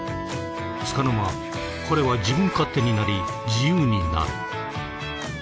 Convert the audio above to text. つかの間彼は自分勝手になり自由になる。